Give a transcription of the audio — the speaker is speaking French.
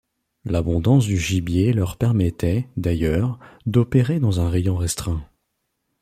L’abondance du gibier leur permettait, d’ailleurs, d’opérer dans un rayon restreint.